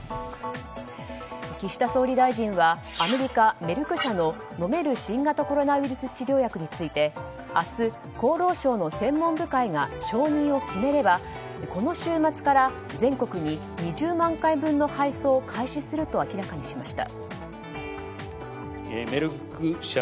岸田総理大臣はアメリカ、メルク社の飲める新型コロナウイルス治療薬について明日、厚労省の専門部会が承認を決めれば、この週末から全国に２０万回分の配送を開始すると明らかにしました。